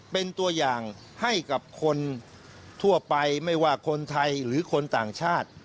เป็นตัวอย่างให้กับคนทั่วไปไม่ว่าคนไทยหรือคนต่างชาติ